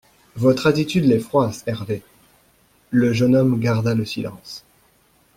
—Votre attitude les froisse, Hervé.» Le jeune homme garda le silence.